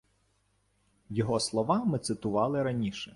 Його слова ми цитували раніше